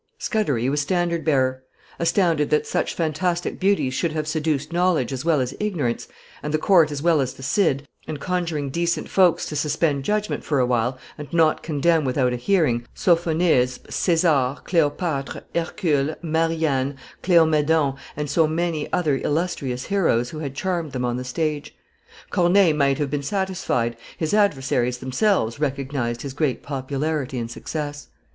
Scudery was standard bearer; astounded that such fantastic beauties should have seduced knowledge as well as ignorance, and the court as well as the cit, and conjuring decent folks to suspend judgment for a while, and not condemn without a hearing Sophonisbe, Cesar, Cleopdtre, Hercule, Marianne, Cleomedon, and so many other illustrious heroes who had charmed them on the stage." Corneille might have been satisfied; his adversaries themselves recognized his great popularity and success.